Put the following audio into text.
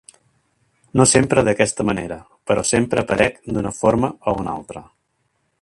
No sempre d'aquesta manera, però sempre aparec d'una forma o una altra.